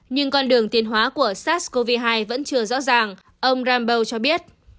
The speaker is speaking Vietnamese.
nhưng con đường tiến hóa của sars cov hai vẫn chưa rõ ràng ông rambo cho biết